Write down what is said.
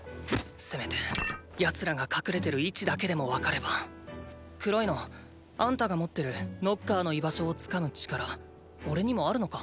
せめて奴らが隠れてる位置だけでもわかれば黒いのあんたが持ってるノッカーの居場所をつかむ力おれにもあるのか？